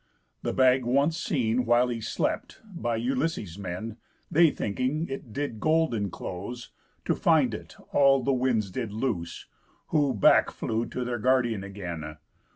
The bag once seen, While he slept, by Ulysses' men, They thinking it did gold enclose, To find it, all the winds did loose, Who back flew to their Guard again.